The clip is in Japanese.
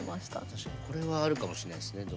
確かにこれはあるかもしれないっすね。